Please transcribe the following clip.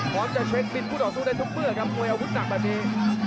พร้อมจะเช็คบินคู่ต่อสู้ได้ทุกเมื่อครับมวยอาวุธหนักแบบนี้